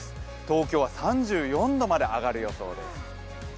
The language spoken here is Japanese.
東京は３４度まで上がる予想です。